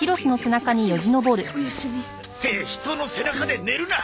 おやすみ。って人の背中で寝るな！